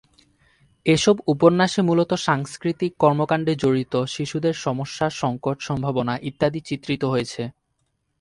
এসব উপন্যাসে মূলত সাংস্কৃতিক কর্মকান্ডে জড়িত শিশুদের সমস্যা, সংকট, সম্ভাবনা ইত্যাদি চিত্রিত হয়েছে।